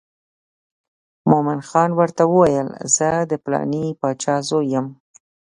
مومن خان ورته وویل زه د پلانې باچا زوی یم.